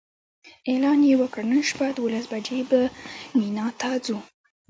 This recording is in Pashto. اعلان یې وکړ نن شپه دولس بجې به مینا ته ځو.